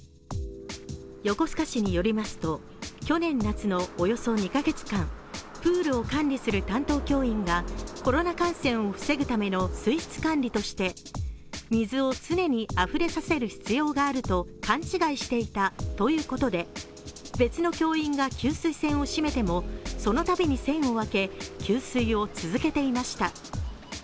横須賀市によりますと去年夏のおよそ２カ月間プールを管理する担当教員がコロナ感染を防ぐための水質管理として水を常にあふれさせる必要があると勘違いしていたということで別の教員が給水栓を閉めてもそのたびに栓を開け給水を続けていました。